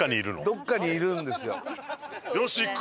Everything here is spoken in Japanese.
どっかにいるんですよ。